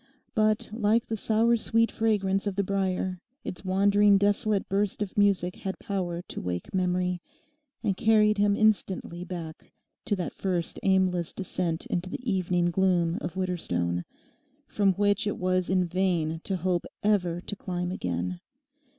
But, like the sour sweet fragrance of the brier, its wandering desolate burst of music had power to wake memory, and carried him instantly back to that first aimless descent into the evening gloom of Widderstone from which it was in vain to hope ever to climb again.